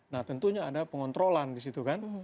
nah tentunya ada pengontrolan di situ kan